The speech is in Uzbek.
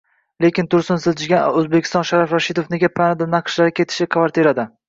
Lekin Tursun sijlangan O'zʙistonda Sharof Rashidov nega panada naqshlari ketishi Kvartirada?